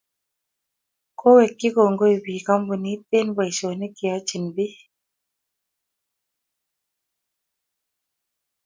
kowekchi kongoi biik kampunit eng' boisionik che yochini biik.